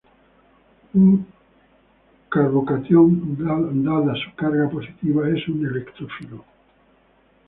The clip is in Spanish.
Un carbocatión, dada su carga positiva, es un electrófilo.